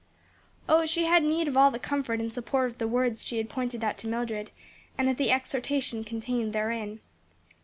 Oh, she had need of all the comfort and support of the words she had pointed out to Mildred, and of the exhortation contained therein.